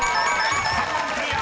３問クリア！